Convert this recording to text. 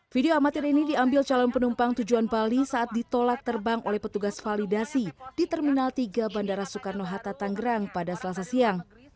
video amatir ini diambil calon penumpang tujuan bali saat ditolak terbang oleh petugas validasi di terminal tiga bandara soekarno hatta tanggerang pada selasa siang